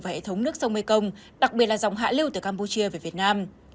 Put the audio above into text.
và hệ thống nước sông mê công đặc biệt là dòng hạ lưu từ campuchia về việt nam